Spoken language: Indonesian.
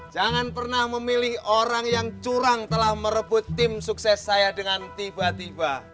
jangan pernah memilih orang yang curang telah merebut tim sukses saya dengan tiba tiba